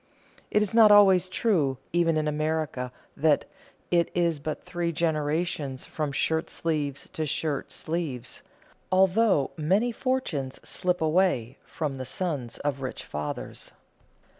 It is not always true, even in America, that "It is but three generations from shirt sleeves to shirt sleeves," although many fortunes slip away from the sons of rich fathers.